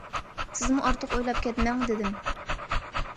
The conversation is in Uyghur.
سىزمۇ ئارتۇق ئويلاپ كەتمەڭ..... دېدىم.